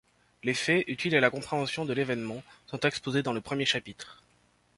Les faits, utiles à la compréhension de l’événement, sont exposés dans le premier chapitre.